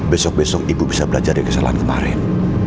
besok besok ibu bisa belajar dari kesalahan kemarin